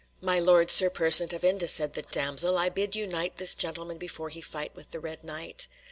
"My Lord Sir Persant of Inde," said the damsel, "I bid you knight this gentleman before he fight with the Red Knight."